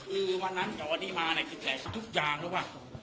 คือวันนั้นกับวันนี้มาน่ะคือแหละทุกอย่างรึเปล่า